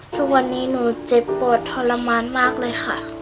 รุ่นนี้หนูเจ็บปวดทรมานมากเลย